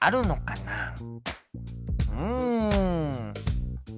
うん。